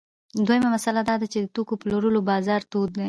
دویمه مسئله دا ده چې د توکو د پلورلو بازار تود دی